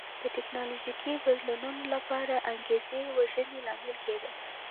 د ټکنالوژیکي بدلونونو لپاره انګېزې وژنې لامل کېده.